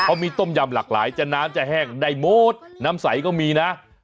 เขามีต้มยำหลากหลายจะน้ำจะแห้งได้หมดน้ำใสก็มีนะ